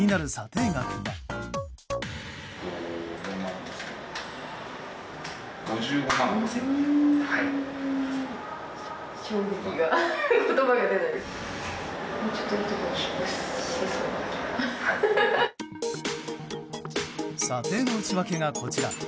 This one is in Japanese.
査定の内訳がこちら。